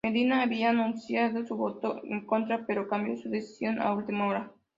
Medina había anunciado su voto en contra pero cambió su decisión a última hora.